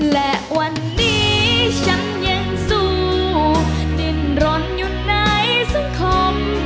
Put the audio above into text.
และวันนี้ฉันยังสู้ดินรนอยู่ในสังคม